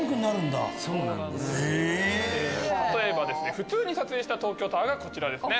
普通に撮影した東京タワーがこちらですね。